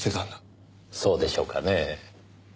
そうでしょうかねぇ。